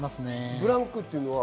ブランクというのは？